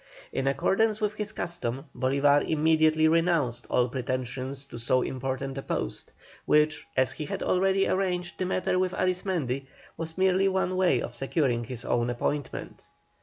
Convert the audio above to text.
In accordance with his custom, Bolívar immediately renounced all pretensions to so important a post, which, as he had already arranged the matter with Arismendi, was merely one way of securing his own appointment.